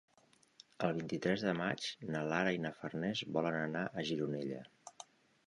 El vint-i-tres de maig na Lara i na Farners volen anar a Gironella.